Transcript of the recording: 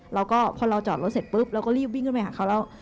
แล้วก็พอเราจอดรถเสร็จปุ๊บเราก็รีบวิ่งขึ้นไปหาเขาแล้ว